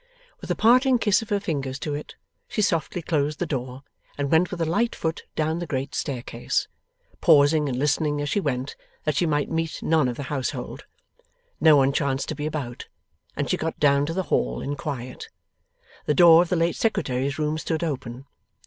With a parting kiss of her fingers to it, she softly closed the door and went with a light foot down the great staircase, pausing and listening as she went, that she might meet none of the household. No one chanced to be about, and she got down to the hall in quiet. The door of the late Secretary's room stood open.